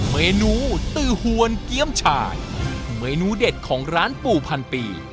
เมนูตือหวนเกี้ยมชายเมนูเด็ดของร้านปู่พันปี